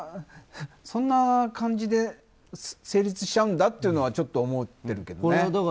そんな感じで成立しちゃうんだというのはちょっと思ってるけどね。